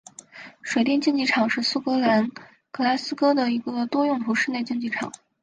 水电竞技场是苏格兰格拉斯哥的一个多用途室内竞技场。